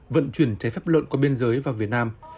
vận chuyển trái phép lợn qua biên giới vào việt nam